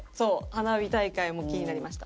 「花火大会」も気になりました。